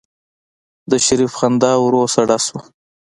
د شريف خندا ورو سړه شوه.